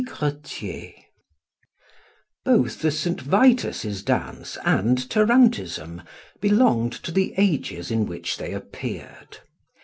1 TIGRETIER Both the St. Vitus's dance and tarantism belonged to the ages in which they appeared.